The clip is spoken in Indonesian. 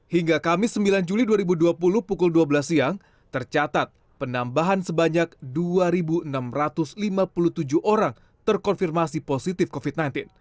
hingga kamis sembilan juli dua ribu dua puluh pukul dua belas siang tercatat penambahan sebanyak dua enam ratus lima puluh tujuh orang terkonfirmasi positif covid sembilan belas